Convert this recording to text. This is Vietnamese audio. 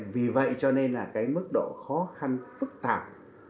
vì vậy cho nên là cái mức độ khó khăn phức tạp